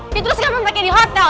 itu terus kamu pake di hotel